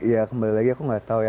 ya kembali lagi aku gak tau ya